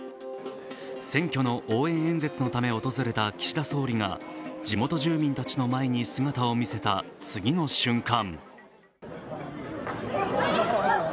選挙の応援演説のため訪れた岸田総理が地元住民たちの前に姿を見せた次の瞬間